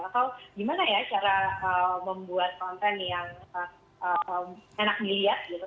atau gimana ya cara membuat konten yang enak dilihat gitu